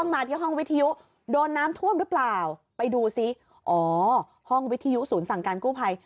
มาที่ห้องวิทยุโดนน้ำท่วมหรือเปล่าไปดูซิอ๋อห้องวิทยุศูนย์สั่งการกู้ภัย